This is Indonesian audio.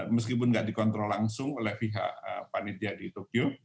meskipun tidak dikontrol langsung oleh pihak panitia di tokyo